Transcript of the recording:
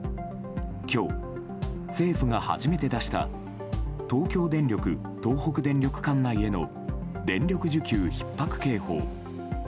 今日、政府が初めて出した東京電力・東北電力管内への電力需給ひっ迫警報。